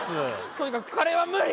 とにかくカレーは無理！